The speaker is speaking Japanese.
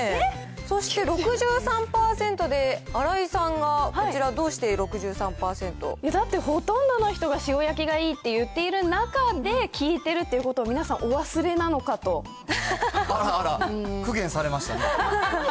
そして、６３％で新井さんがこちだって、ほとんどの人が塩焼きがいいって言っている中で聞いてるっていうことを、皆さんお忘苦言されましたね。